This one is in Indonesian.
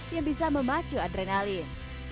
yang bisa memacu adrenalin